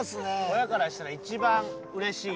親からしたら一番うれしい。